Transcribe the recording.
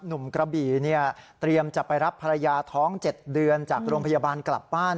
กระบี่เตรียมจะไปรับภรรยาท้อง๗เดือนจากโรงพยาบาลกลับบ้าน